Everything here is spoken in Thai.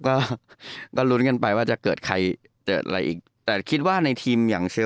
ก็ลุ้นกันไปว่าจะเกิดใครเกิดอะไรอีก